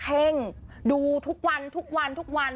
เพ่งดูทุกวันทุกวันทุกวัน